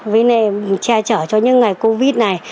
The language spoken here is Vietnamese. với nềm che chở cho những ngày covid này